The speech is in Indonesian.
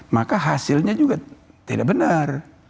maka hasilnya juga tidak benar